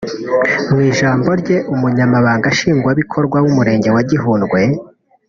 Mu ijambo rye umunyamabanga nshingwabikorwa w’Umurenge wa Gihundwe